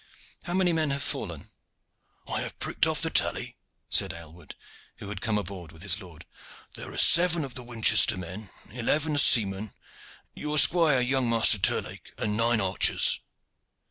How many men have fallen?" "I have pricked off the tally," said Aylward, who had come aboard with his lord. "There are seven of the Winchester men, eleven seamen, your squire, young Master Terlake, and nine archers."